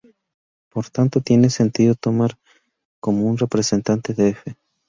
Por tanto tiene sentido tomar a "g" como un representante de "f".